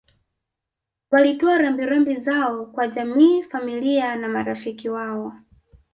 walitoa rambi rambi zao kwa jamii familia na marafiki wao